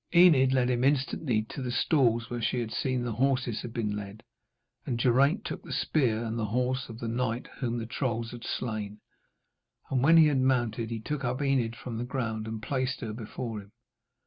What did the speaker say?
Enid led him instantly to the stalls where she had seen the horses had been led, and Geraint took the spear and the horse of the knight whom the trolls had slain, and, when he had mounted, he took up Enid from the ground and placed her before him.